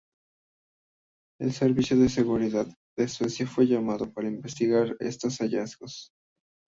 El Servicio de Seguridad de Suecia fue llamado para investigar estos hallazgos.